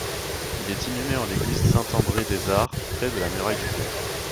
Il est inhumé en l'église Saint-André-des-Arts, près de la muraille du chœur.